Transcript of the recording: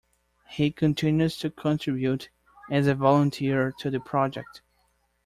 He continues to contribute as a volunteer to the project.